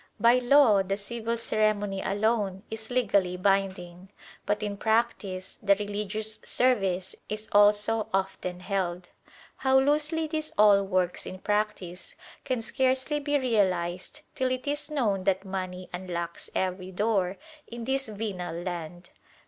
By law the civil ceremony alone is legally binding, but in practice the religious service is also often held. How loosely this all works in practice can scarcely be realised till it is known that money unlocks every door in this venal land.